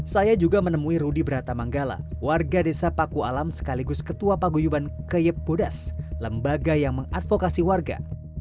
saya juga menemui rudy bratamanggala warga desa paku alam sekaligus ketua paguyuban keyep budas lembaga yang mengadvokasi warga